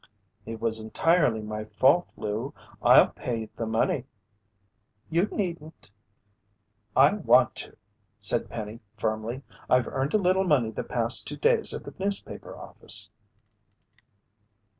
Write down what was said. "It was entirely my fault, Lou. I'll pay the money." "You needn't." "I want to," said Penny firmly. "I've earned a little money the past two days at the newspaper office."